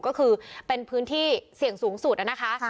ก็คือเป็นพื้นที่เสี่ยงสูงสุดนะคะ